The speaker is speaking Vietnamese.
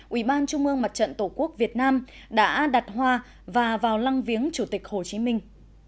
ủy ban trung mương mặt trận tổ quốc việt nam đã đặt hoa và vào lăng viếng chủ tịch hồ chí minh